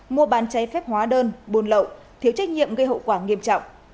mua bàn cháy phép hóa đơn buôn lậu thiếu trách nhiệm gây hậu quả nghiêm trọng